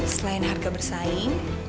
selain harga bersaing